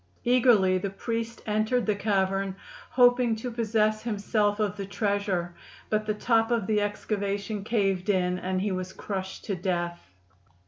Eagerly the priest entered the cavern, hoping to possess himself of the treasure, but the top of the excavation caved in and he was crushed to death.